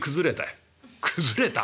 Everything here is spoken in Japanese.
「崩れた？